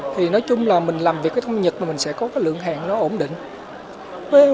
thì nói chung là mình làm việc với công ty nhật mà mình sẽ có cái lượng hẹn nó ổn định